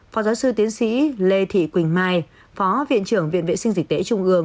phó giáo sư tiến sĩ lê thị quỳnh mai phó viện trưởng viện vệ sinh dịch tễ trung ương